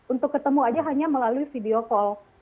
untuk ketemu aja hanya melalui video call